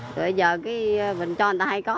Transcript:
rồi bây giờ mình cho người ta hay có